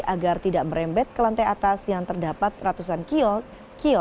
agar tidak merembet ke lantai atas yang terdapat ratusan kios